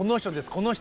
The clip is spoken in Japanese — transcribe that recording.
この人